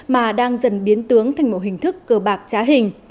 mà đang dần biến tướng thành một hình thức cờ bạc trá hình